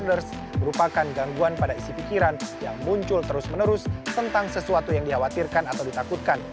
gangguan kecemasan atau anxiety disorders merupakan gangguan pada isi pikiran yang muncul terus menerus tentang sesuatu yang dikhawatirkan atau ditakutkan